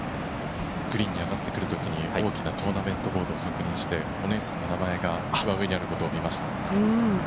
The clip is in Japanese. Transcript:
グリーンに上がってくるときに、トーナメントボードを確認して、お姉さんの名前が一番上にあることを確認しました。